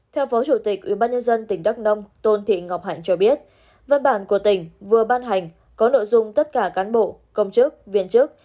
theo phó chủ tịch ubnd tỉnh đắk nông tôn thị ngọc hạnh cho biết văn bản của tỉnh vừa ban hành có nội dung tất cả cán bộ công chức viên chức